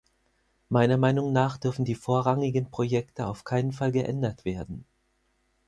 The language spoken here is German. Meiner Meinung nach dürfen die vorrangigen Projekte auf keinen Fall geändert werden.